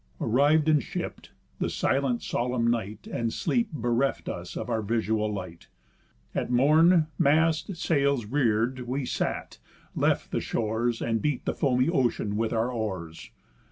Arriv'd and shipp'd, the silent solemn night And sleep bereft us of our visual light. At morn, masts, sails, rear'd, we sat, left the shores, And beat the foamy ocean with our oars.